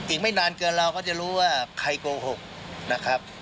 อีกไม่นานเกินเราก็จะรู้ว่าใครโกหกนะครับ